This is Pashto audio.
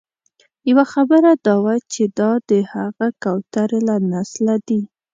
یوه خبره دا وه چې دا د هغه کوترې له نسله دي.